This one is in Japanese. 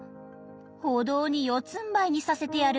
舗道に四つんばいにさせてやる。